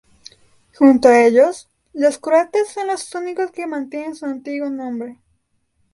Junto a ellos, los croatas son los únicos que mantienen su antiguo nombre.